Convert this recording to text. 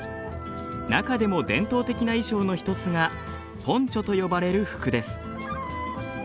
中でも伝統的な衣装の一つがポンチョと呼ばれる服です。